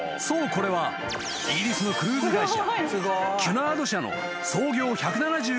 これはイギリスのクルーズ会社］